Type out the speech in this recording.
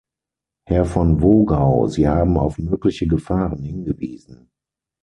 Herr von Wogau, Sie haben auf mögliche Gefahren hingewiesen.